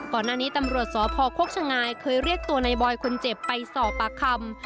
ก่อนหน้านี้ตำรวจสพโคกชะงายเคยเรียกตัวในบอยคนเจ็บไปสอบปากคำ